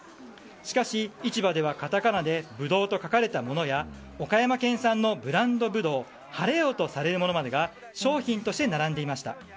しかし、市場ではカタカナで「ブドウ」と書かれたものや岡山県産のブランドブドウ晴王とされるものまでもが商品として並んでいました。